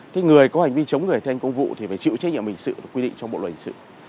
thế người có hành vi chống người thi hành công vụ thì phải chịu trách nhiệm hình sự và quy định trong bộ luật hình sự